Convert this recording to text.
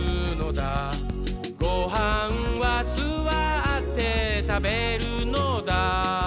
「ごはんはすわってたべるのだ」